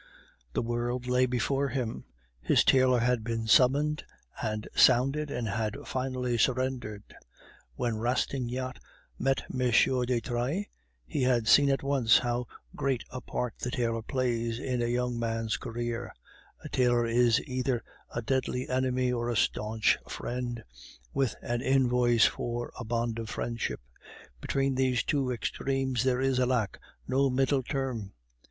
The world lay before him. His tailor had been summoned and sounded, and had finally surrendered. When Rastignac met M. de Trailles, he had seen at once how great a part the tailor plays in a young man's career; a tailor is either a deadly enemy or a staunch friend, with an invoice for a bond of friendship; between these two extremes there is, alack! no middle term.